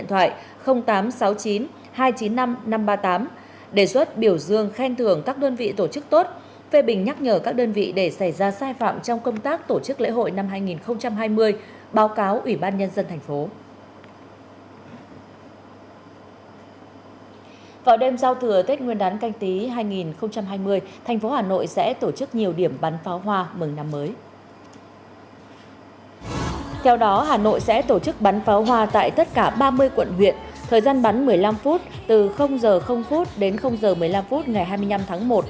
thời gian bắn một mươi năm phút từ giờ phút đến giờ một mươi năm phút ngày hai mươi năm tháng một năm hai nghìn hai mươi